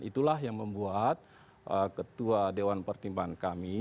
itulah yang membuat ketua dewan pertimbangan kami